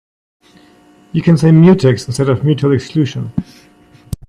You can say mutex instead of mutual exclusion.